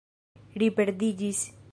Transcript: Ri perdiĝis.